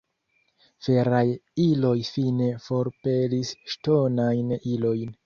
Feraj iloj fine forpelis ŝtonajn ilojn.